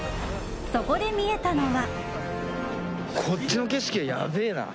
そこで見えたのは。